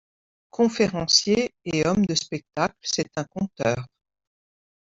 Conférencier et homme de spectacle : c’est un conteur.